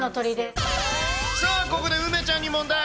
さあ、ここで梅ちゃんに問題。